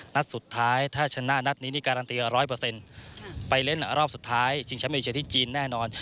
นัดสุดท้ายถ้าชนะนัดนี้นี่การันตีกับร้อยเปอร์เซ็นต์ไปเล่นรอบสุดท้ายจิงแชมป์เอเชียที่จีนแน่นอน